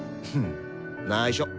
ないしょ。